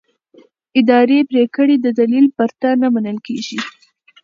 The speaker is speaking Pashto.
اداري پریکړې د دلیل پرته نه منل کېږي.